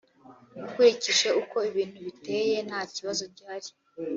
ukurikije uko ibintu biteye ntakibazo gihari